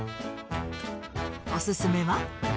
おすすめは？